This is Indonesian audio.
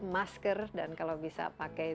masker dan kalau bisa pakai